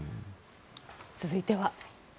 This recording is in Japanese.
続いては。